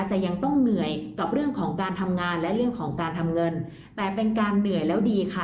ยังต้องเหนื่อยกับเรื่องของการทำงานและเรื่องของการทำเงินแต่เป็นการเหนื่อยแล้วดีค่ะ